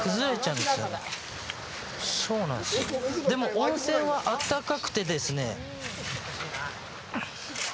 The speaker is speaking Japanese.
でも温泉は温かくてですね。